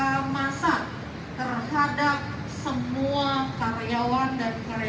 atau phk masak terhadap semua karyawan dan karyawati